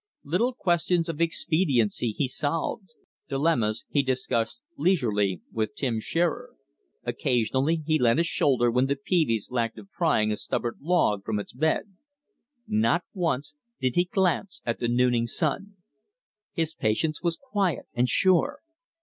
Little questions of expediency he solved. Dilemmas he discussed leisurely with Tim Shearer. Occasionally he lent a shoulder when the peaveys lacked of prying a stubborn log from its bed. Not once did he glance at the nooning sun. His patience was quiet and sure.